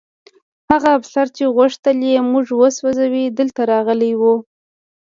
هغه افسر چې غوښتل یې موږ وسوځوي دلته راغلی و